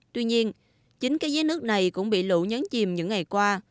tuy nhiên chính cái giếng nước này cũng bị lũ nhấn chìm những ngày qua